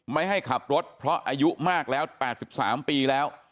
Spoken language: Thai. ไม่ให้ขับรถเพราะอายุมากแล้ว๘๓ปีแล้ว